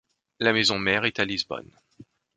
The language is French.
La maison-mère est à Lisbonne.